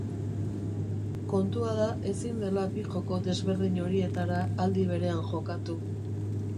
Kontua da ezin dela bi joko desberdin horietara aldi berean jokatu.